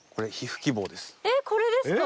えっこれですか？